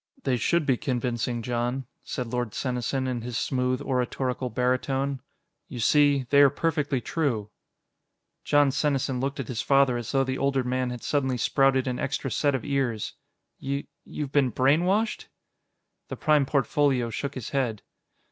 "They should be convincing, Jon," said Lord Senesin in his smooth oratorical baritone. "You see, they are perfectly true." Jon Senesin looked at his father as though the older man had suddenly sprouted an extra set of ears. "Y ... You've been brainwashed?" The Prime Portfolio shook his head.